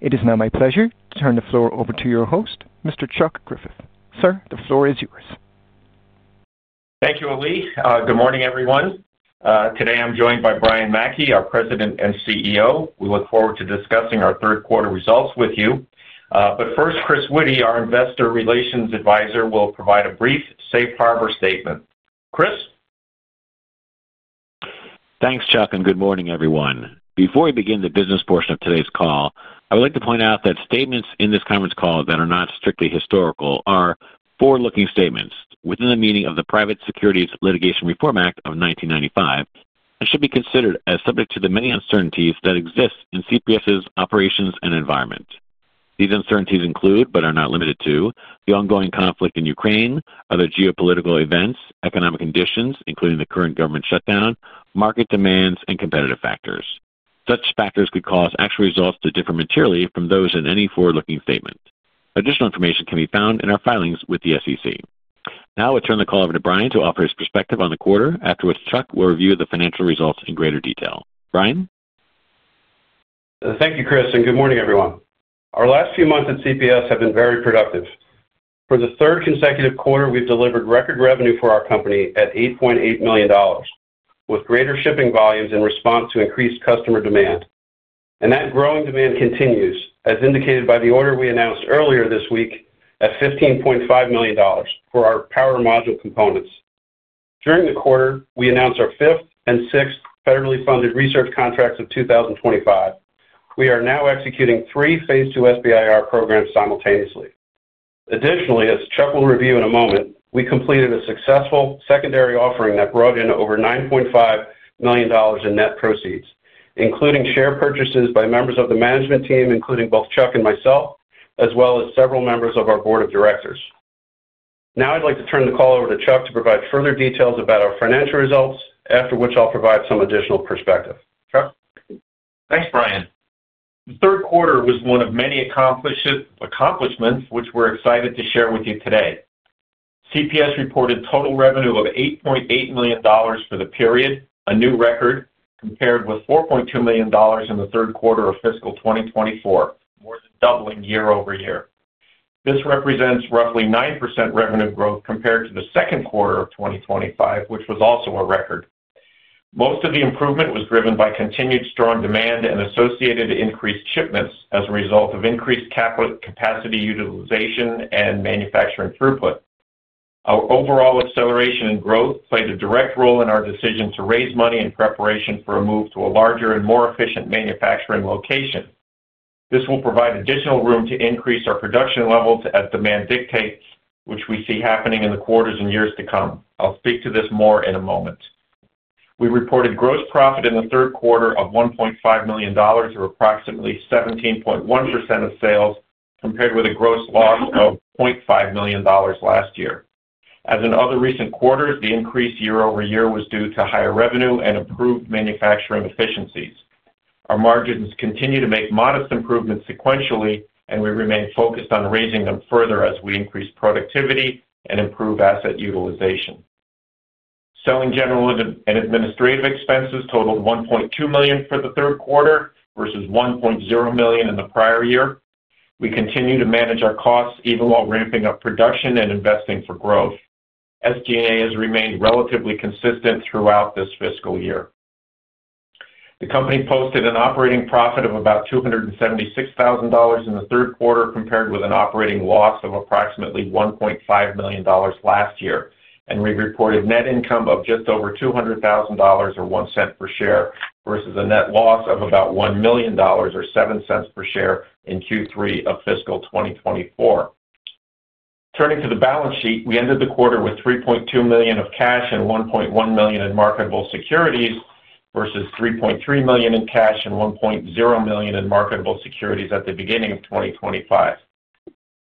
It is now my pleasure to turn the floor over to your host, Mr. Chuck Griffith. Sir, the floor is yours. Thank you, Ali. Good morning, everyone. Today I'm joined by Brian Mackey, our President and CEO. We look forward to discussing our third quarter results with you. First, Chris Witty, our Investor Relations Advisor, will provide a brief safe harbor statement. Chris? Thanks, Chuck. Good morning, everyone. Before we begin the business portion of today's call, I would like to point out that statements in this conference call that are not strictly historical are forward-looking statements within the meaning of the Private Securities Litigation Reform Act of 1995. This should be considered as subject to the many uncertainties that exist in CPS' operations and environment. These uncertainties include, but are not limited to, the ongoing conflict in Ukraine, other geopolitical events, economic conditions, including the current government shutdown, market demands, and competitive factors. Such factors could cause actual results to differ materially from those in any forward-looking statements. Additional information can be found in our filings with the SEC. Now I'll turn the call over to Brian to offer his perspective on the quarter, after which Chuck will review the financial results in greater detail. Brian? Thank you, Chris, and good morning, everyone. Our last few months at CPS Technologies Corporation have been very productive. For the third consecutive quarter, we've delivered record revenue for our company at $8.8 million. With greater shipping volumes in response to increased customer demand. That growing demand continues, as indicated by the order we announced earlier this week at $15.5 million for our power module components. During the quarter, we announced our fifth and sixth federally funded research contracts are expected in 2025. We are now executing three Phase II SBIR programs simultaneously. Additionally, as Chuck will review in a moment, we completed a successful secondary public offering that brought in over $9.5 million net proceeds, including share purchases by members of the management team, including both Chuck and myself, as well as several members of our Board of Directors. Now I'd like to turn the call over to Chuck to provide further details about our financial results. After which I'll provide some additional perspective. Chuck? Thanks, Brian. The third quarter was one of many accomplishments which we're excited to share with you today. CPS reported total revenue of $8.8 million for the period, a new record compared with $4.2 million in the third quarter of fiscal 2024. More than doubling year-over-year. This represents roughly 9% revenue growth compared to the second quarter of 2025, which was also a record. Most of the improvement was driven by continued strong demand and associated increased shipments as a result of increased capacity utilization and manufacturing throughput. Our overall acceleration in growth played a direct role in our decision to raise money in preparation for a move to a larger and more efficient manufacturing location. This will provide additional room to increase our production levels as demand dictates, which we see happening in the quarters and years to come. I'll speak to this more in a moment. We reported gross profit in the third quarter of $1.5 million, or approximately 17.1% of sales, compared with a gross loss of $500,000 last year. As in other recent quarters, the increase year over year was due to higher revenue and improved manufacturing efficiencies. Our margins continue to make modest improvements sequentially, and we remain focused on raising them further as we increase productivity and improve asset utilization. Selling, general, and administrative expenses totaled $1.2 million for the third quarter versus $1.0 million in the prior year. We continue to manage our costs even while ramping up production and investing for growth. SG&A has remained relatively consistent throughout this fiscal year. The company posted an operating profit of about $276,000 in the third quarter, compared with an operating loss of approximately $1.5 million last year, and we reported net income of just over $200,000, or $0.01 per share, versus a net loss of about $1 million, or $0.07 per share, in Q3 of fiscal 2024. Turning to the balance sheet, we ended the quarter with $3.2 million of cash and $1.1 million in marketable securities versus $3.3 million in cash and $1.0 million in marketable securities at the beginning of 2025.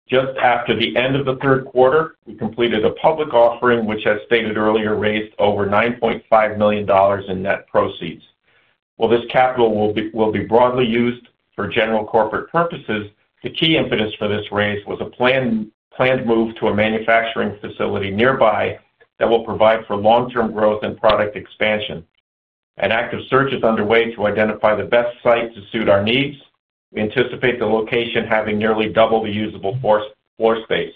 Just after the end of the third quarter, we completed a public offering which, as stated earlier, raised over $9.5 million in net proceeds. While this capital will be broadly used for general corporate purposes, the key impetus for this raise was a planned move to a manufacturing facility nearby that will provide for long term growth and product expansion. An active search is underway to identify the best site to suit our needs. We anticipate the location having nearly double the usable floor space.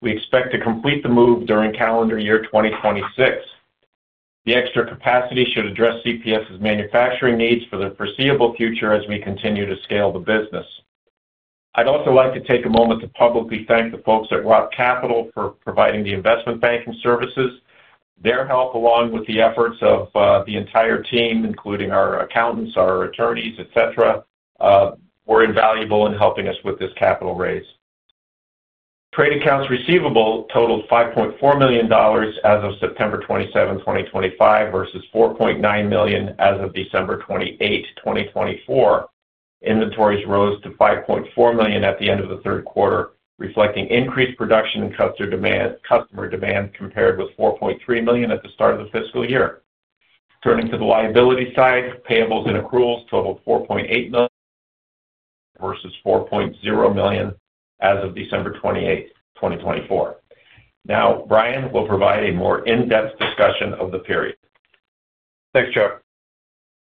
We expect to complete the move during calendar year 2026. The extra capacity should address CPS' manufacturing needs for the foreseeable future as we continue to scale the business. I'd also like to take a moment to publicly thank the folks at Rock Capital for providing the investment banking services. Their help, along with the efforts of the entire team, including our accountants, our attorneys, et cetera, were invaluable in helping us with this capital raise. Trade accounts receivable totaled $5.4 million as of September 27, 2025, versus $4.9 million as of December 28, 2024. Inventories rose to $5.4 million at the end of the third quarter, reflecting increased production and customer demand compared with $4.3 million at the start of the fiscal year. Turning to the liability side, payables and accruals totaled $4.8 million versus $4.0 million as of December 28, 2024. Now Brian will provide a more in-depth discussion of the period. Thanks, Chuck.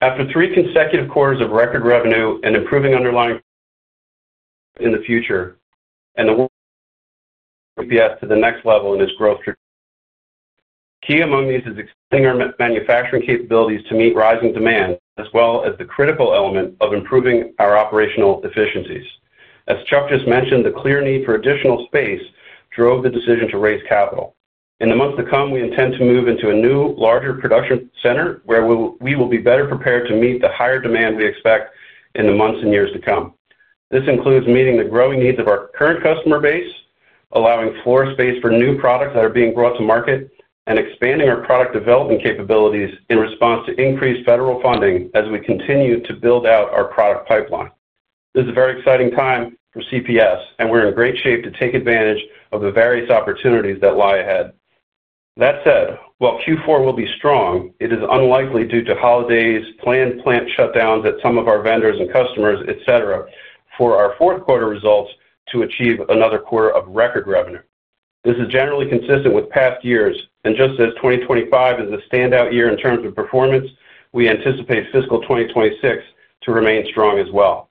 After three consecutive quarters of record revenue and improving underlying in the future and the work [CPS] to the next level in its growth. Key among these is extending our manufacturing capabilities to meet rising demand as well as the critical element of improving our operational efficiencies, as Chuck just mentioned, the clear need for additional space drove the decision to raise capital. In the months to come, we intend to move into a new, larger production center where we will be better prepared to meet the higher demand we expect in the months and years to come. This includes meeting the growing needs of our current customer base, allowing floor space for new products that are being brought to market and expanding our product development capabilities in response to increased federal funding as we continue to build out our product pipeline. This is a very exciting time for CPS and we're in great shape to take advantage of the various opportunities that lie ahead. That said, while Q4 will be strong, it is unlikely due to holidays, planned plant shutdowns at some of our vendors, customers, et cetera, for our fourth quarter results to achieve another quarter of record revenue. This is generally consistent with past years, just as 2025 is a standout year in terms of performance, we anticipate fiscal 2026 to remain strong as well.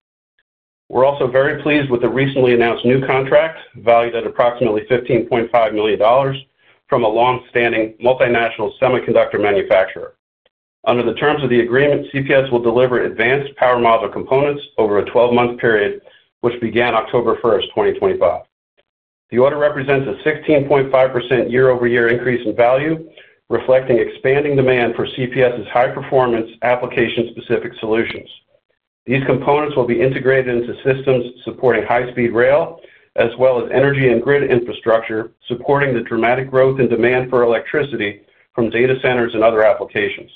We're also very pleased with the recently announced new contract valued at approximately $15.5 million from a long-standing multinational semiconductor manufacturer. Under the terms of the agreement, CPS will deliver advanced power module components over a 12-month period which began October 1st, 2025. The order represents a 16.5% year-over-year increase in value, reflecting expanding demand for CPS Technologies Corporation high performance application specific solutions, these components will be integrated into systems. Supporting high speed rail as well as energy and grid infrastructure, supporting the dramatic growth in demand for electric from data centers and other applications.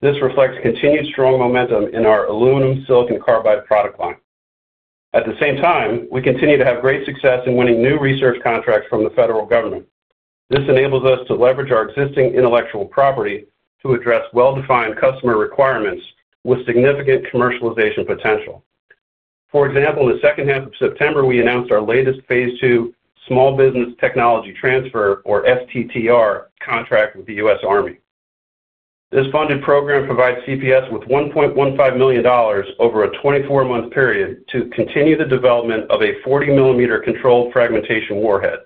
This reflects continued strong momentum in our Aluminum Silicon Carbide (AlSiC) product line. At the same time, we continue to have great success in winning new research contracts from the federal government. This enables us to leverage our existing ontellectual property to address well-defined customer requirements with significant commercialization potential. For example, in the second half of September we announced our latest Phase II Small Business Technology Transfer, or STTR contract with the U.S. Army. This funded program provides CPS with $1.15 million over a 24-month period to continue the development of a 40mm controlled fragmentation warhead.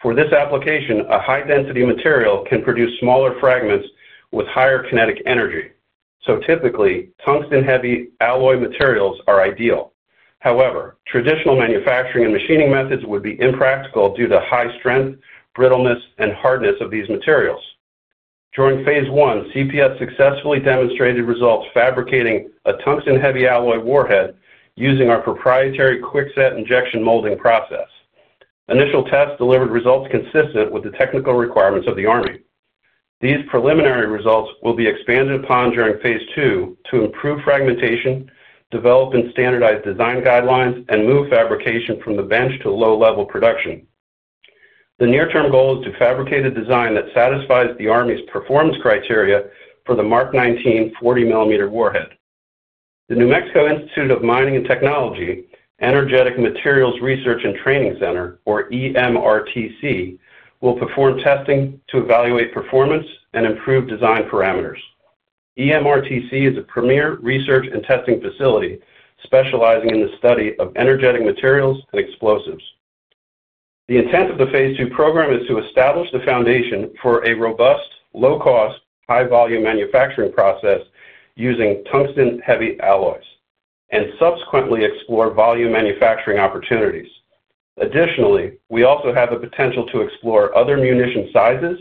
For this application, a high density material can produce smaller fragments with higher kinetic energy. So typically, tungsten heavy alloy materials are ideal. However, traditional manufacturing and machining methods would be impractical due to high strength brittleness and hardness of these materials. During Phase I, CPS successfully demonstrated results fabricating a tungsten heavy alloy warhead, using our proprietary QuickSet Injection Molding Process. Initial tests delivered results consistent with the technical requirements of the Army. These preliminary results will be expanded upon during Phase II to improve fragmentation, develop and standardize design guidelines and move fabrication from the bench to low-level production. The near term goal is to fabricate a design that satisfies the Army's performance criteria for the Mk 19 40mm warhead. The New Mexico Institute of Mining and Technology Energetic Materials Research and Training Center, or EMRTC, will perform testing to evaluate performance and improve design parameters. EMRTC is a premier research and testing facility specializing in the study of energetic materials and explosives. The intent of the Phase II program is to establish the foundation for a robust, low-cost, high-volume manufacturing process using tungsten heavy alloys and subsequently explore volume manufacturing opportunities. Additionally, we also have the potential to explore other munition sizes,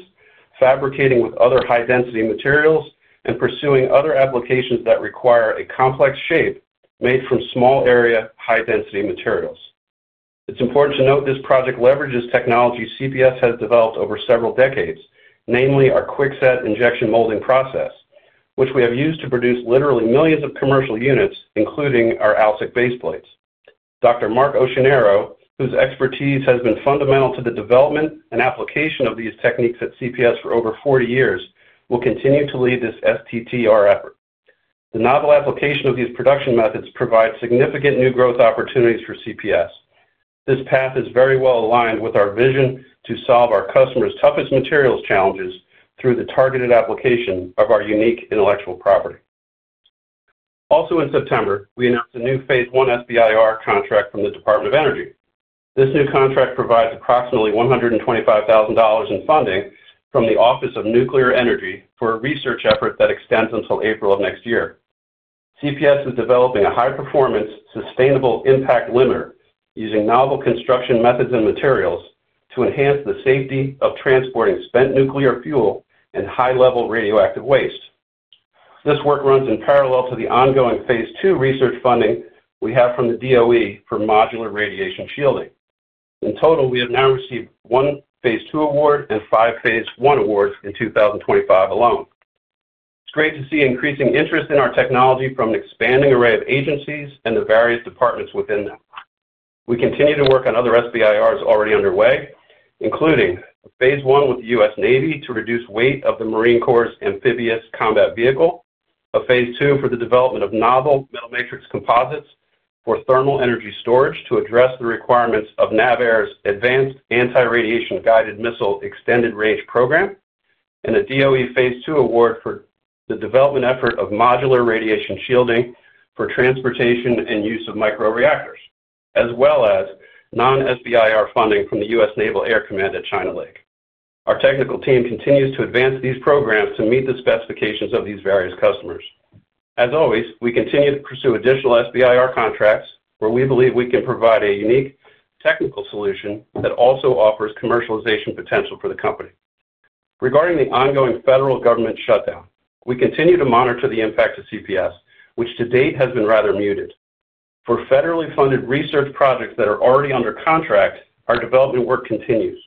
fabricating with other high density materials, and pursuing other applications that require a complex shape made from small area high density materials. It's important to note this project leverages technology CPS has developed over several decades, namely our QuickSet Injection Molding Process, which we have used to produce literally millions of commercial units including our AlSiC baseplates. Dr. Mark Occhionero, whose expertise has been fundamental to the development and application of these techniques at CPS for over 40 years will continue to lead this STTR effort. The novel application of these production methods provides significant new growth opportunities for CPS. This path is very well aligned with our vision to solve our customers' toughest materials challenges through the targeted application of our unique intellectual property. Also in September, we announced a new Phase I SBIR contract from the Department of Energy. This new contract provides approximately $125,000 in funding from the Office of Nuclear Energy for a research effort that extends until April of next year. CPS is developing a high performance sustainable impact limiter using novel construction methods and materials to enhance the safety of transporting spent nuclear fuel and high-level radioactive waste. This work runs in parallel to the ongoing Phase II research funding we have from the DOE for modular radiation shielding. In total, we have now received one Phase II award and five Phase I awards in 2025 alone. It's great to see increasing interest in our technology from an expanding array of agencies and the various departments within them. We continue to work on other SBIRs already underway, including Phase I with the U.S. Navy to reduce weight of the Marine Corps' Amphibious Combat Vehicle, a Phase II for the development of novel metal matrix composites for thermal energy storage to address the requirements of NAVAIR's Advanced Anti-Radiation Guided Missile Extended Range Program, and a DOE Phase II award for the development effort of modular radiation shielding for transportation and use of microreactors, as well as non-SBIR funding from the U.S. Naval Air Command at China Lake. Our technical team continues to advance these programs to meet the specifications of these various customers. As always, we continue to pursue additional SBIR contracts where we believe we can provide a unique technical solution that also offers commercialization potential for the company. Regarding the ongoing federal government shutdown, we continue to monitor the impact on CPS which to date has been rather muted. For federally funded research projects that are already under contract, our development work continues.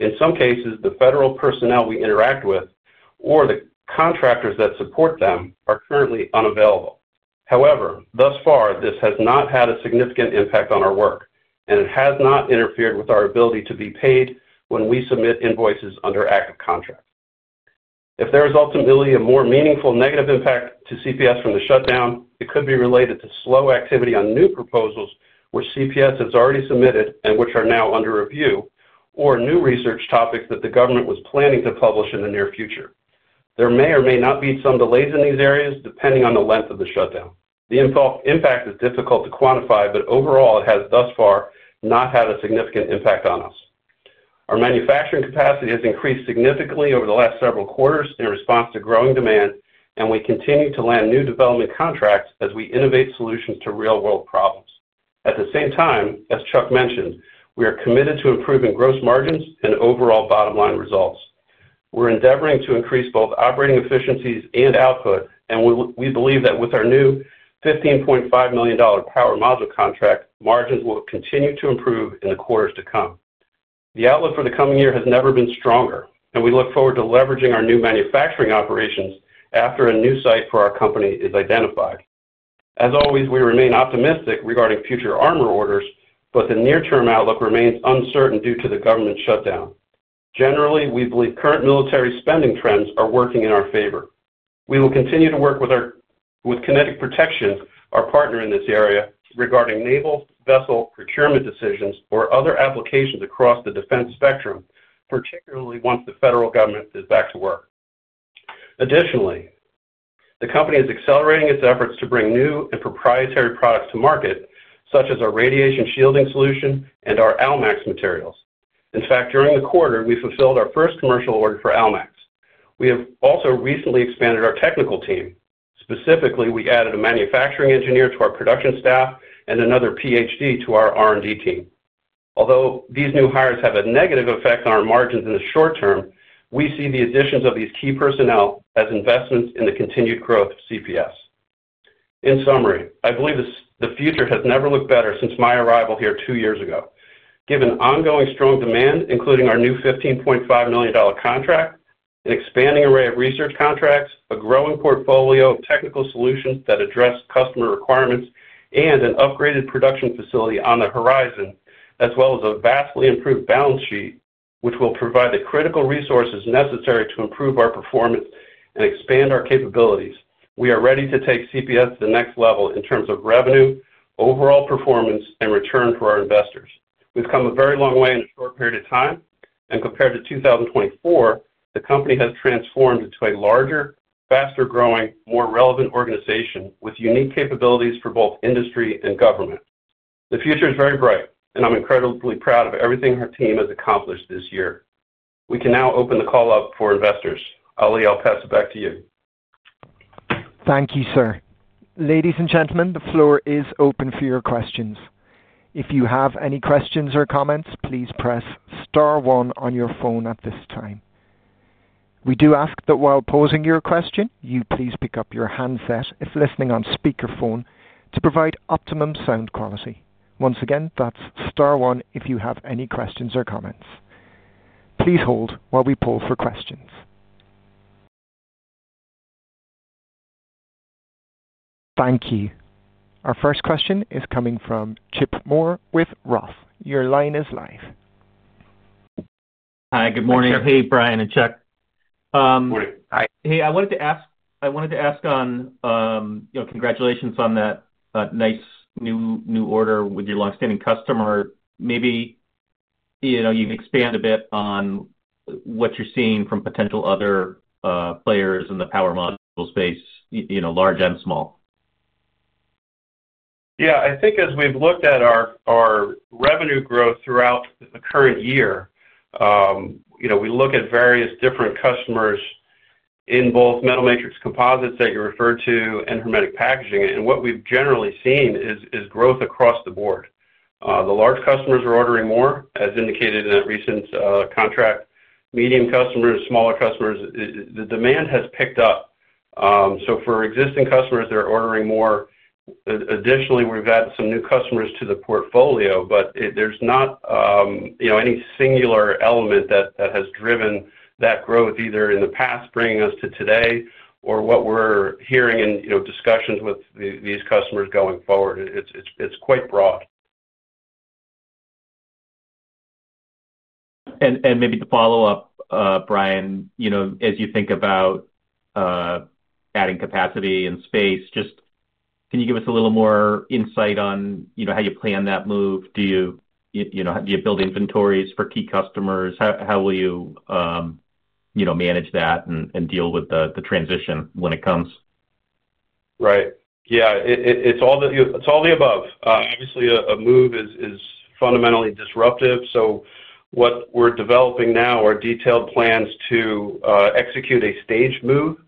In some cases, the federal personnel we interact with or the contractors that support them are currently unavailable. However, thus far this has not had a significant impact on our work. It has not interfered with our ability to be paid when we submit invoices under active contracts. If there is ultimately a more meaningful negative impact to CPS from the shutdown, it could be related to slow activity on new proposals where CPS has already submitted and which are now under review, or new research topics that the government was planning to publish in the near future. There may or may not be some delays in these areas depend on the length of the shutdown. The impact is difficult to quantify but overall, it has thus far not had a significant impact on us. Our manufacturing capacity has increased significantly over the last several quarters, in response to growing demand, and we continue to land new development contracts as we innovate solutions to real world problems. At the same time, as Chuck mentioned, we are committed to improving gross margins and overall bottom line results. We're endeavoring to increase both operating efficiencies in output and we believe that with our new $15.5 million power module contract, margins will continue to improve in the quarters to come. The outlook for the coming year has never been stronger, and we look forward to leveraging our new manufacturing operations after a new site for our company is identified. As always, we remain optimistic regarding the future armor orders, but the near term outlook remains uncertain due to the government shutdown. Generally, we believe current military spending trends are working in our favor. We will continue to work with Kinetic Protection, our partner in this area, regarding naval vessel procurement decisions or other applications across the defense spectrum, particularly once the federal government is back to work. Additionally, the company is accelerating its efforts to bring new and proprietary products to market, such as our radiation shielding solution and our AlMax materials. In fact, during the quarter, we fulfilled our first commercial order for AlMax. We have also recently expanded our technical team. Specifically, we added a Manufacturing Engineer to our production staff and another PhD to our R&D team. Although these new hires have a negative effect on our margins in the short term, we see the additions of these key personnel as investments in the continued growth of CPS. In summary, I believe the future has never looked better since my arrival here two years ago, given ongoing strong demand, including our new $15.5 million contract, an expanding array of research contracts, a growing portfolio of technical solutions that address customer requirements, and an upgraded production facility on the horizon, as well as a vastly improved balance sheet, which will provide the critical resources necessary to improve our performance and expand our capabilities. We are ready to take CPS to the next level in terms of revenue, overall performance, and return for our investors. We've come a very long way in a short period of time, and compared to 2024, the company has transformed into a larger, faster-growing, more relevant organization with unique capabilities for both industry and government. The future is very bright and I'm excited incredibly proud of everything her team has accomplished this year. We can now open the call up for investors. Ali, I'll pass it back to you. Thank you, sir. Ladies and gentlemen, the floor is open for your questions. If you have any questions or comments, please press star one on your phone at this time. We do ask that while posing your question, you please pick up your handset if listening on speakerphone to provide optimum sound quality. Once again, that's star one. If you have any questions or comments, please hold while we poll for questions. Thank you. Our first question is coming from Chip Moore with ROTH. Your line is live. Hi, good morning. Hey, Brian and Chuck. Good morning. Hey I wanted to ask, congratulations on that nice new order with your long-standing customer. Maybe you can expand a bit on what you're seeing from potential other players in the power module space, large and small. Yeah, I think as we've looked at. Our revenue growth throughout the current year. We look at various different customers in both metal matrix composites that you referred to and hermetic packaging. What we've generally seen is growth across the board. The large customers are ordering more. Indicated in that recent contract, medium customers, smaller customers, the demand has picked up. For existing customers, they're ordering more. Additionally, we've added some new customers to the portfolio, but there's not any singular element that has driven that growth either in the past bringing us to today, or what we're hearing in discussions with these customers going forward. It's quite broad. Brian, as you think about adding capacity and space, can you give us a little more insight on how you plan that move? Do you build inventories for key customers? How will you manage that and deal with the transition when it comes to? Right, yeah, it's all the above. Obviously, a move is fundamentally disruptive. What we're developing now are detailed plans to execute a staged move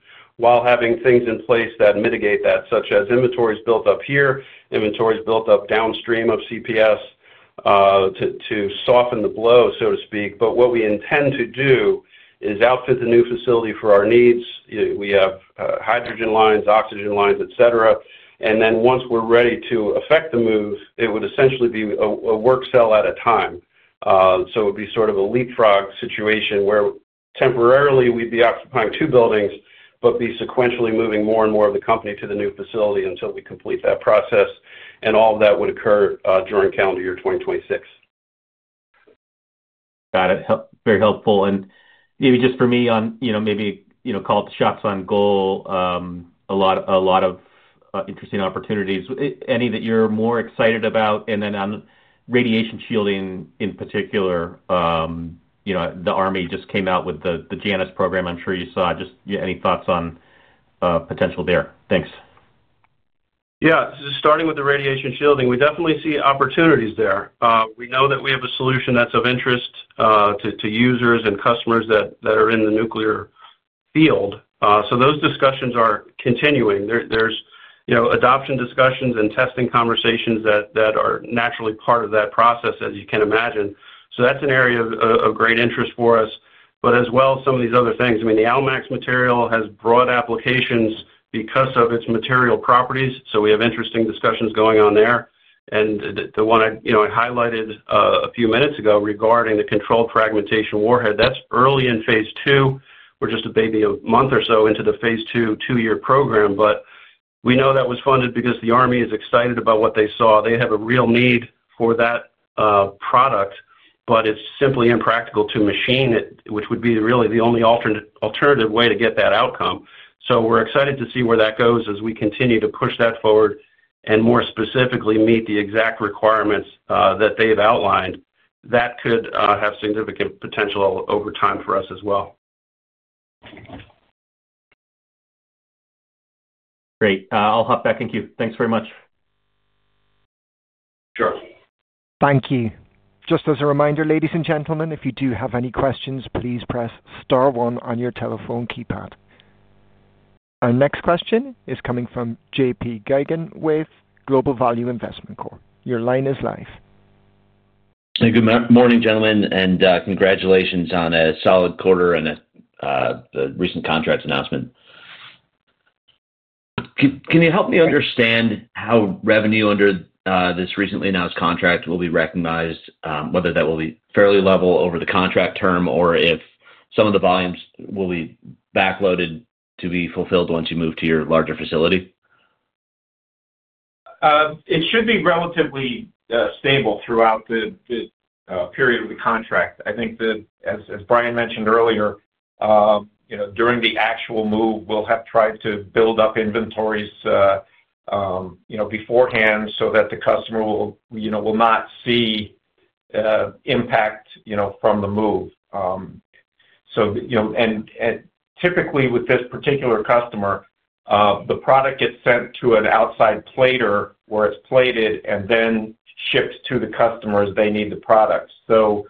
while having things in place that mitigate that, such as inventory is built up here. Inventory is built up downstream of CPS to soften the blow, so to speak. What we intend to do is outfit the new facility for our needs. We have hydrogen lines, oxygen lines, et cetera. Once we're ready to affect the move, it would essentially be a work cell at a time. It would be sort of a leapfrog situation where temporarily we'd be occupying two buildings, but we will be sequentially moving more and more of the company to the new facility until we complete that process. All that would occur during calendar year 2026. Got it. Very helpful. Maybe just for me, you know, call it the shots on goal, a lot of interesting opportunities, any that you're more excited about. On radiation shielding in particular, the Army just came out with the Janus Program. I'm sure you saw. Any thoughts on potential there? Thanks. Yeah, starting with the radiation shielding, we definitely see opportunities there. We know that we have a solution. That's of interest to users and customers. That are in the nuclear, so those discussions are continuing. There are adoption discussions and testing conversations that are naturally part of that process, as you can imagine. That is an area of great interest for us, as well as some of these other things. The AlMax material has broad applications because of its material properties, so we have interesting discussions going on there. The one I highlighted a few minutes ago regarding the controlled fragmentation warhead. That's early in Phase II. We're just a baby a month or so into the Phase II two-year program, but we know that was funded because the Army is excited about what they saw. They have a real need for that product, but it's simply impractical to machine it, which would be really the only alternative way to get that outcome. We're excited to see where that goes. As we continue to push that forward and more specifically meet the exact. Requirements that they've outlined that could have significant potential over time for us as well. Great. I'll hop back in queue. Thanks very much. Sure. Thank you. Just as a reminder, ladies and gentlemen, if you do have any questions, please press star one on your telephone keypad. Our next question is coming from J.P. Geygan with Global Value Investment Corp. Your line is live. Good morning, gentlemen, and congratulations on a solid quarter and the recent contracts announcement. Can you help me understand how revenue under this recently announced contract will be recognized? Whether that will be fairly level over the contract term or if some of the volumes will be backloaded to be fulfilled once you move to your larger facility? It should be relatively stable throughout the period of the contract. I think that as Brian mentioned earlier, during the actual move, we'll have tried to build up inventories beforehand so that the customer will not see impact from the move. Typically with this particular customer, the product gets sent to an outside plater where it's plated and then shipped to the customer as they need the product. We'll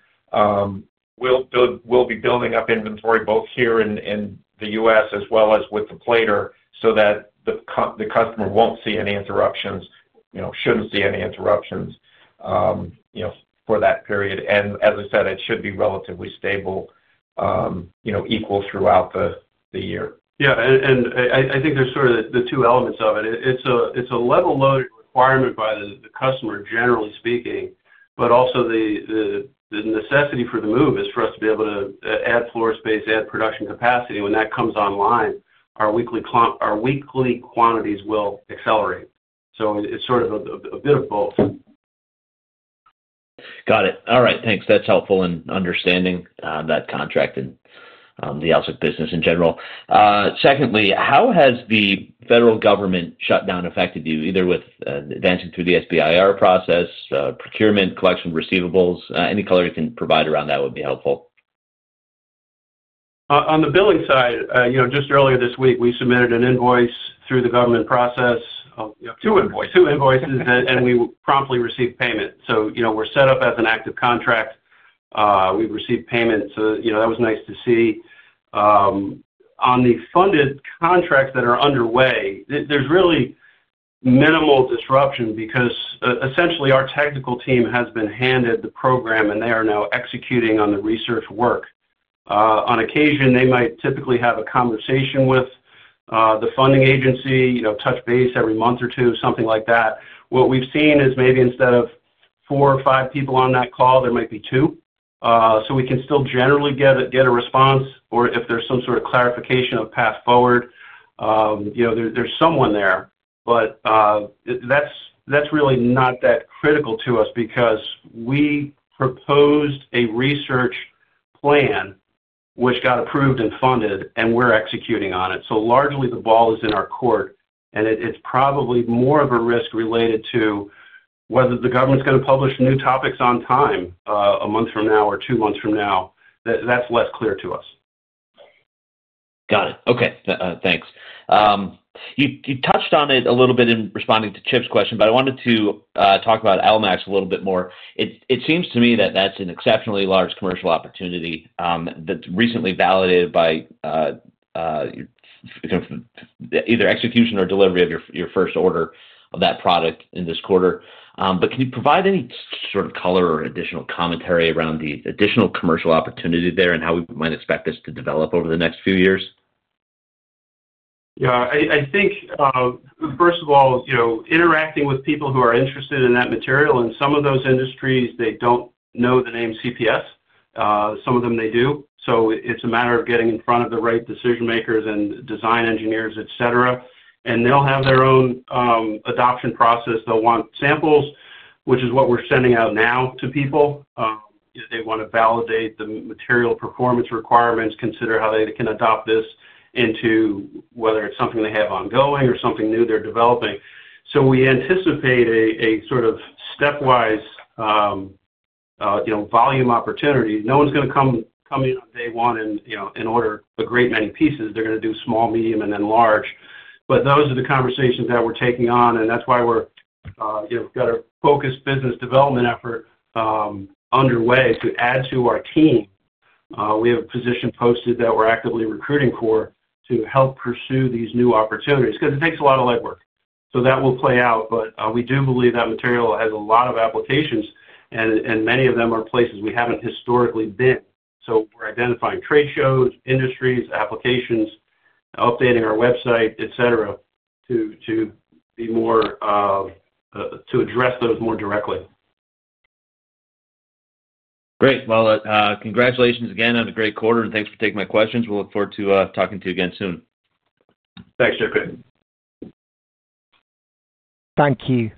be building up inventory both here in the U.S. as well as with the plater, so that the customer won't see any interruptions. The customer shouldn't see any interruptions for that period. As I said, it should be relatively stable, equal throughout the year. Yeah, I think there's sort of the two elements of it. It's a level-loaded requirement by the customer, generally speaking, but also the necessity for the move is for us to. Be able to add floor space, add production capacity. When that comes online, our weekly quantities will accelerate. It is sort of a bit of both. Got it. All right, thanks. That's helpful in understanding that contract and the AlSiC business in general. Secondly, how has the federal government shutdown affected you either with advancing through the SBIR process, procurement, collection receivables? Any color you can provide around that would be helpful. On the billing side, just earlier this week we submitted an invoice through the government process, Two invoice Two invoices, and we promptly received payment. We're set up as an active contract. We received payment, so you know, that was nice to see. On the funded contracts that are underway. There's really minimal disruption because essentially our technical team has been handed the program. They are now executing on the research work. On occasion, they might typically have a conversation with the funding agency, you know. Touch base every month or two, something like that. What we've seen is maybe instead of four or five people on that call, there might be two. We can still generally get a response or if there's some sort of clarification of path forward, you know, there's someone there. That's really not that critical to us because we proposed a research plan which got approved and funded, and we're executing on it. Largely the ball is in our court, and it's probably more of a risk related to whether the government's going to publish new topics on time, a month from now or two months from now. That's less clear to us. Got it. Okay, thanks. You touched on it a little bit in responding to Chip's question, but I wanted to talk about AlMax a little bit more. It seems to me that that's an exceptionally large commercial opportunity that's recently validated by either execution or delivery of your first order of that product in this quarter. Can you provide any sort of color or additional commentary around the additional commercial opportunity there and how we might expect this to develop over the next few years? I think, first of all, interacting with people who are interested in that material. In some of those industries, they don't know the name CPS. Some of them they do. It's a matter of getting in front of the right decision makers and design engineers, etc. They will have their own adoption process they'll want samples, which is what we're doing sending out now to people. They want to validate the material performance requirements, consider how they can adopt this into whether it's something they have ongoing or something new they're developing. We anticipate a sort of stepwise, you know, volume opportunity no one's going to come in day one, you know, in order. A great many pieces, they're going to do small, medium, and then large. Those are the conversations that we're taking on. That's why we're, you know, got a focused business development effort underway to add to our team. We have a position posted that we're actively recruiting for to help pursue these new opportunities because it takes a lot of legwork. That will play out. We do believe that material has a lot of applications and many of them are places we haven't historically been. We're identifying trade shows, industries, applications, updating our website, et cetera, to be more to address those more directly. Great. Congratulations again on a great quarter, and thanks for taking my questions. We'll look forward to talking to you again soon. Thanks, JP. Thank you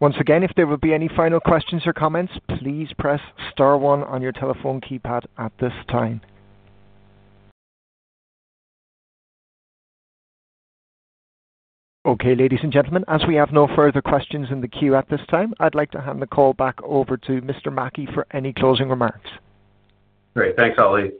once again. If there are any final questions or comments, please press star 1 on your telephone keypad at this time. Ladies and gentlemen, as we have no further questions in the queue at this time, I'd like to hand the call back over to Mr. Mackey for any closing remarks. Great. Thanks, Ali.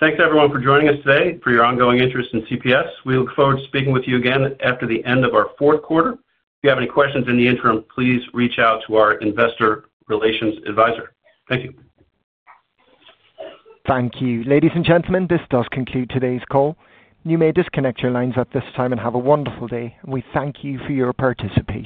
Thanks, everyone, for joining us today, for your ongoing interest in CPS. We look forward to speaking with you again after the end of our fourth quarter. If you have any questions.interim, please reach out to our investor relations advisor. Thank you. Thank you. Ladies and gentlemen, this does conclude today's call. You may disconnect your lines at this time and have a wonderful day. We thank you for your participation.